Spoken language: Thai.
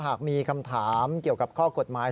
หากมีคำถามเกี่ยวกับข้อกฎหมาย